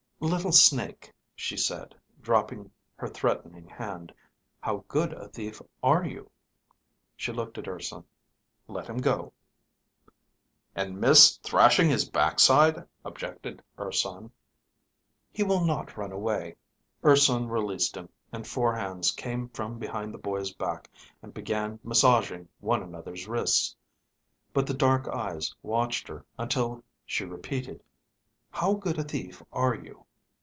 "Little Snake," she said, dropping her threatening hand, "how good a thief are you?" She looked at Urson. "Let him go." "And miss thrashing his backside?" objected Urson. "He will not run away." Urson released him, and four hands came from behind the boy's back and began massaging one another's wrists. But the dark eyes watched her until she repeated, "How good a thief are you?"